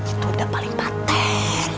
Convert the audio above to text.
itu udah paling pater